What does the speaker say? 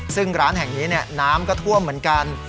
ซึ่งร้านแห่งนี้น้ำก็ท่วมเหมือนกัน